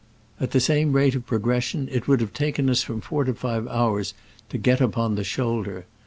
At the same rate of progression it would have taken us from four to five hours to get upon "the shoulder.